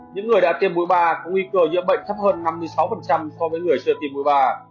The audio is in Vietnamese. những người đã tiêm mũi ba có nguy cơ nhiễm bệnh thấp hơn năm mươi sáu so với người chưa tiêm mũi ba